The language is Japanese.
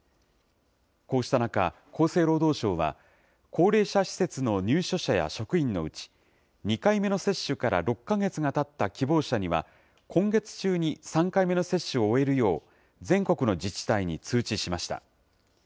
こうした中、厚生労働省は、高齢者施設の入所者や職員のうち、２回目の接種から６か月がたった希望者には、今月中に３回目の接種を終えるよう、全国の自治体に通知しました。